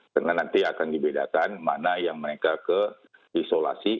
karena nanti akan dibedakan mana yang mereka keisolasi